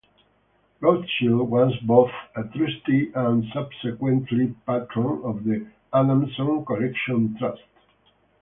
Rothschild was both a Trustee and, subsequently, Patron of the Adamson Collection Trust.